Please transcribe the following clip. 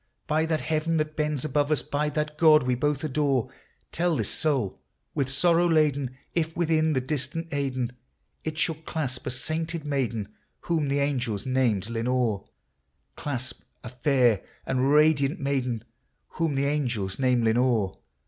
By that heaven that bends above us, — by that God we both adore, Tell this soul with sorrow laden, if, within the distant Aidenn, It shall clasp a sainted maiden, whom the angels name Lenore, Clasp a fair and radiant maiden, whom the angels name Lenore